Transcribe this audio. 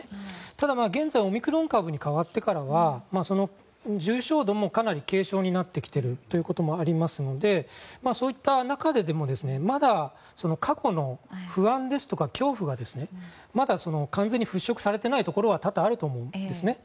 ただ、現在オミクロン株に変わってからは重症度もかなり軽症になってきているということもありますのでそういった中でまだ過去の不安ですとか恐怖が完全に払しょくされていないところは多々あると思うんですね。